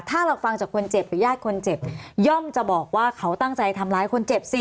ถ้าเราฟังจากคนเจ็บหรือญาติคนเจ็บย่อมจะบอกว่าเขาตั้งใจทำร้ายคนเจ็บสิ